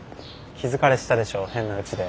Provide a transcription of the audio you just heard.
気疲れしたでしょう変なうちで。